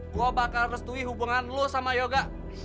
gue bakal restui hubungan lo sama yoga